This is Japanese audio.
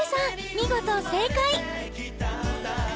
見事正解！